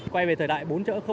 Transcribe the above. quay về thời đại bốn chở bốn à